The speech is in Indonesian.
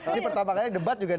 ini pertama kali debat juga